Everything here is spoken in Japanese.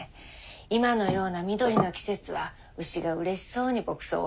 今のような緑の季節は牛がうれしそうに牧草をよく食べるんですよ。